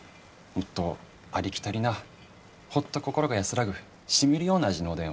もっとありきたりなホッと心が安らぐしみるような味のおでんを。